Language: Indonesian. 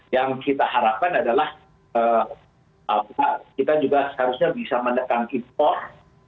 yang kita harapkan adalah kita juga seharusnya bisa menekan import